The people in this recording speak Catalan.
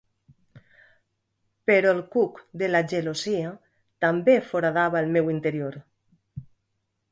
Però el cuc de la gelosia també foradava el meu interior...